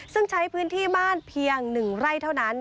ซึ่งใช้พื้นที่บ้านเพียง๑ไร่เท่านั้น